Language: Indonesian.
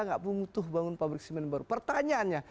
tidak butuh membangun pabrik semen baru pertanyaannya